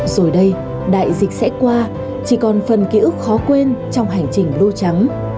rồi đây đại dịch sẽ qua chỉ còn phần ký ức khó quên trong hành trình đu trắng